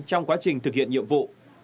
trong quá trình thực hiện nhiệm vụ